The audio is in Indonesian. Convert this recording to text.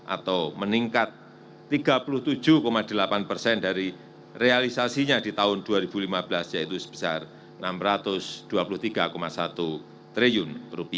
atau meningkat tiga puluh tujuh delapan persen dari realisasinya di tahun dua ribu lima belas yaitu sebesar rp enam ratus dua puluh tiga satu triliun